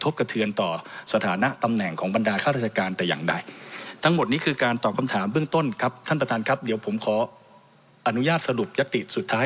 เบื้องต้นครับท่านประตานครับเดี๋ยวผมขออนุญาตสรุปยศติสุดท้าย